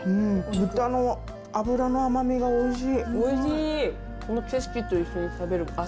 豚の脂の甘みがおいしい！